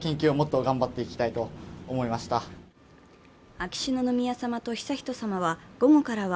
秋篠宮さまと悠仁さまは、午後からは